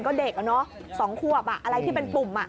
ก็เด็ก๒ควบอะไรที่เป็นปุ่ม